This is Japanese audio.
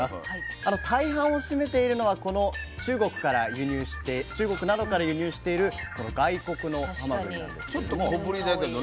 大半を占めているのはこの中国などから輸入しているこの外国のハマグリなんですけれども。